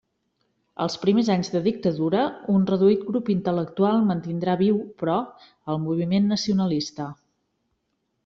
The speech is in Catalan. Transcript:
Els primers anys de dictadura, un reduït grup intel·lectual mantindrà viu, però, el moviment nacionalista.